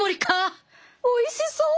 おいしそう。